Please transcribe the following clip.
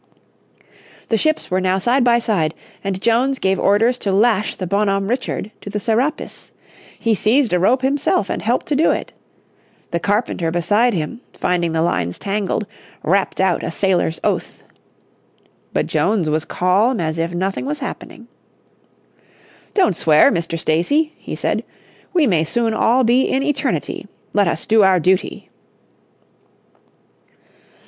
The ships were now side by side, and Jones gave orders to lash the Bonhomme Richard to the Serapis. He seized a rope himself and helped to do it. The carpenter beside him, finding the lines tangled rapped out a sailor's oath. But Jones was calm as if nothing was happening. "Don't swear, Mr. Stacy," he said. "We may soon all be in eternity. Let us do our duty."